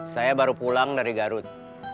saya baru pulang dari garut